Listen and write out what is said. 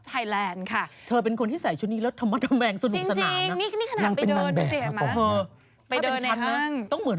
ไปค้นหาว่าลูกจะต้องเรียนที่ไหน